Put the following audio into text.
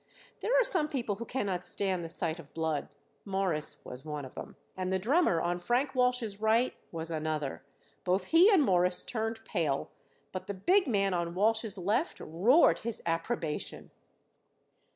There are some people who cannot stand the sight of blood; Morris was one of them, and the drummer on Frank Walsh's right was another. Both he and Morris turned pale, but the big man on Walsh's left roared his approbation.